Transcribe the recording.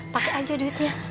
pakai aja duitnya